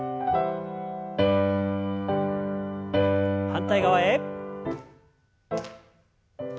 反対側へ。